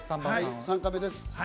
３カメです。